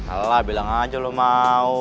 alah bilang aja lo mau